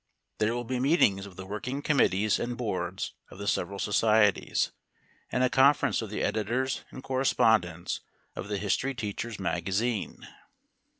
There will be meetings of the working committees and boards of the several societies, and a conference of the editors and correspondents of THE HISTORY TEACHER'S MAGAZINE.